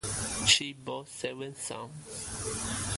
She bore seven sons.